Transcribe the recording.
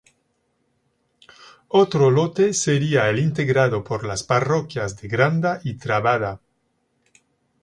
Otro lote sería el integrado por las parroquias de Granda y Trabada.